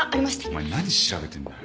お前何調べてんだよ。